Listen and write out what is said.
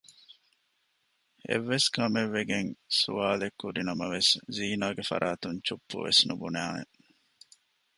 އެއްވެސް ކަމެއްވެގެން ސްވާލެއްކުރިނަމަވެސް ޒީނާގެ ފަރާތުން ޗުއްޕުވެސް ނުބުނާނެ